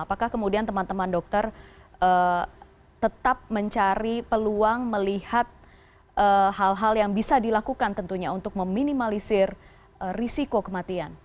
apakah kemudian teman teman dokter tetap mencari peluang melihat hal hal yang bisa dilakukan tentunya untuk meminimalisir risiko kematian